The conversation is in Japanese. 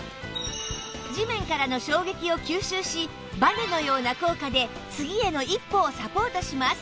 地面からの衝撃を吸収しバネのような効果で次への一歩をサポートします